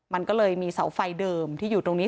มันก็เลยมีเสาไฟเดิมที่อยู่ตรงนี้